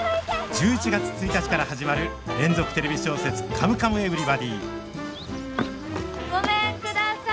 １１月１日から始まる連続テレビ小説「カムカムエヴリバディ」ごめんください。